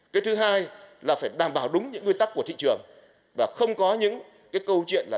cái thứ hai là phải đảm bảo đúng những nguyên tắc của thị trường và không có những cái câu chuyện là